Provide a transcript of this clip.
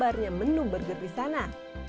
yang menyebarnya menu burger di sana